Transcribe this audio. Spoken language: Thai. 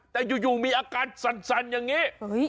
แต่อยู่มีอาการสั่นอย่างนี้